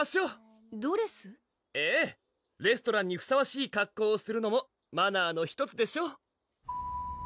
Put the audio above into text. ええレストランにふさわしい格好をするのもマナーの１つでしょ